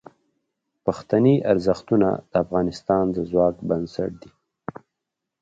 پښتني ارزښتونه د افغانستان د ځواک بنسټ دي.